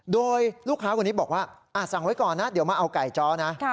โดยลูกค้าคนนี้บอกว่าสั่งไว้ก่อนนะเดี๋ยวมาเอาไก่จ้อนะ